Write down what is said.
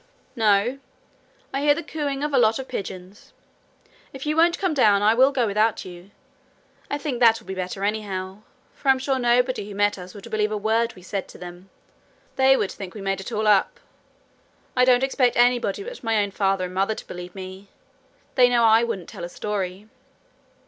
'No. I hear the cooing of a lot of pigeons. If you won't come down, I will go without you. I think that will be better anyhow, for I'm sure nobody who met us would believe a word we said to them. They would think we made it all up. I don't expect anybody but my own father and mother to believe me. They know I wouldn't tell a story.'